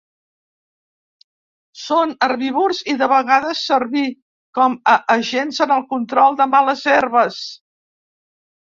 Són herbívors i de vegades servir com a agents en el control de males herbes.